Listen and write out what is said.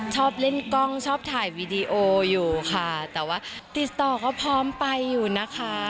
ชอบเล่นกล้องชอบถ่ายวีดีโออยู่ค่ะแต่ว่าติดต่อก็พร้อมไปอยู่นะคะ